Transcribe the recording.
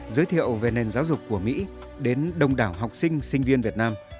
giới thiệu về nền giáo dục của mỹ đến đông đảo học sinh sinh viên việt nam